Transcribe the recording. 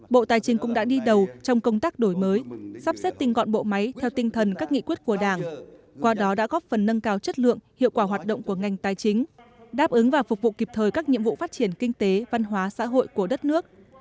bộ tài chính cũng đã đi đầu trong công tác đổi mới sắp xếp tinh gọn bộ máy theo tinh thần các nghị quyết của đảng qua đó đã góp phần nâng cao chất lượng hiệu quả hoạt động của ngành tài chính đáp ứng và phục vụ kịp thời các nhiệm vụ phát triển kinh tế văn hóa xã hội của đất nước